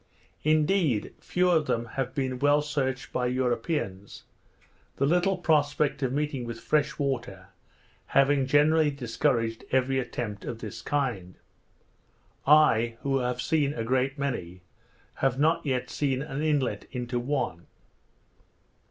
Indeed, few of them have been well searched by Europeans; the little prospect of meeting with fresh water having generally discouraged every attempt of this kind. I, who have seen a great many, have not yet seen an inlet into one.